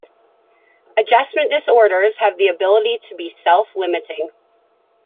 Adjustment disorders have the ability to be self-limiting.